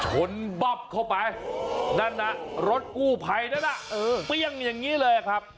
ชนบ็อบเข้าไปนั่นนะรถกู้ไพท์นั่นนะเปรี้ยงแบบนี้เลยครับ